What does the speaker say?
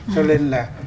cho nên là